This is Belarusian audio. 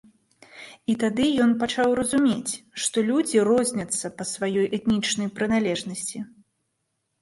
І тады ён пачаў разумець, што людзі розняцца па сваёй этнічнай прыналежнасці.